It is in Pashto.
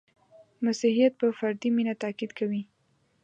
• مسیحیت په فردي مینه تأکید کوي.